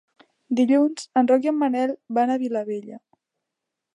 Dilluns en Roc i en Manel van a Vilabella.